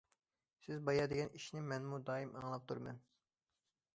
سىز بايا دېگەن ئىشنى مەنمۇ دائىم ئاڭلاپ تۇرىمەن.